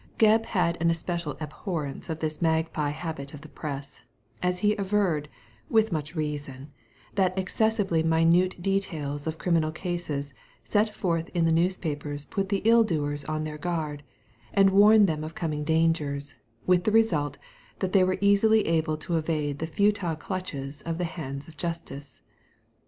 Gebb had an especial abhorrence of this magpie habit of the Press ; as he averred, with much reason, that the excessively minute details of criminal cases set forth in the newspapers put the ill doers on their guard, and warned them of coming dangers, with the result that they were easily able to evade the futile clutches of the hands of Justice.